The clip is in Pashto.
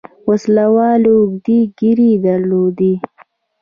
وسله والو اوږدې ږيرې درلودې.